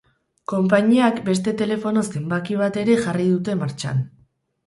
Konpainiak beste telefono zenbaki bat ere jarri dute martxan.